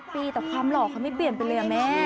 ปีแต่ความหล่อเขาไม่เปลี่ยนไปเลยแม่